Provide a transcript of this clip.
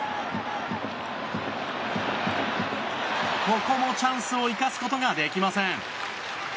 ここもチャンスを生かすことができません。